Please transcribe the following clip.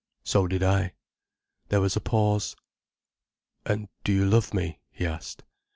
"So did I." There was a pause. "And do you love me?" he asked.